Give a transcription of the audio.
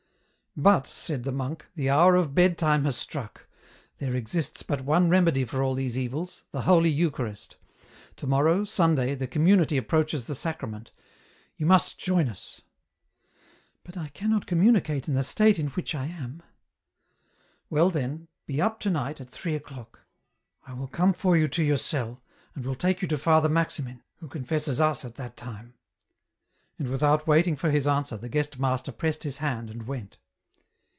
" But," said the monk, " the hour of bedtime has struck. There exists but one remedy for all these evils, the Holy Eucharist ; to morrow, Sunday, the community approaches the Sacrament ; you must join us." " But I cannot communicate in the state in which I am ..." 252 EN ROUTE. " Well, then, be up to night, at three o'clock. I will come for you to your cell, and will take you to Father Maximin, who confesses us at that time." And without waiting for his answer, the guest master pressed his hand and went.